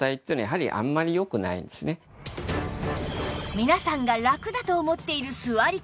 皆さんがラクだと思っている座り方